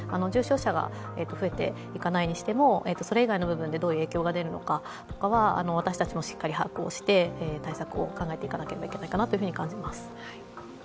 重症者が増えていかないにしてもそれ以外の部分でどういう影響が出るのか、私たちもしっかり把握をして対策を考えていかなければいけないかなと感じます。